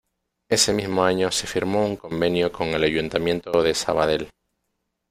Ese mismo año se firmó un convenio con el Ayuntamiento de Sabadell.